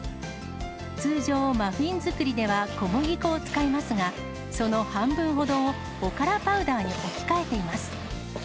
通常、マフィン作りでは小麦粉を使いますが、その半分ほどをおからパウダーに置き換えています。